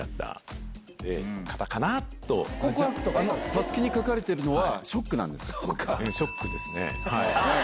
たすきに書かれてるのはショックなんですか？